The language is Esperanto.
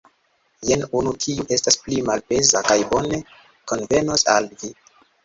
Jen unu, kiu estas pli malpeza kaj bone konvenos al vi.